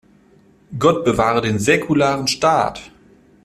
Gott bewahre den säkularen Staat!